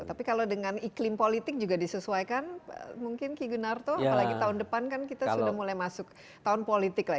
tapi kalau dengan iklim politik juga disesuaikan mungkin ki gunarto apalagi tahun depan kan kita sudah mulai masuk tahun politik lah